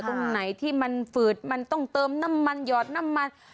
ตรงไหนที่มันฝืดมันต้องเติมน้ำมันหยอดน้ำมัน